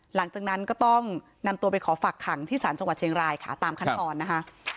หลังจากนั้นก็ต้องนำตัวไปขอฝักขังที่ศาลจังหวัดเชียงรายค่ะตามขั้นตอนนะคะ